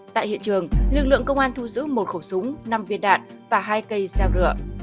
tại hiện trường lực lượng công an thu giữ một khẩu súng năm viên đạn và hai cây dao rượu